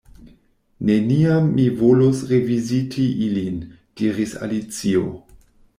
"Neniam mi volos reviziti ilin" diris Alicio.